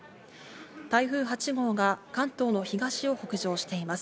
台風８号が関東の東を北上しています。